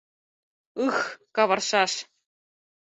— Ых-х, каваршаш!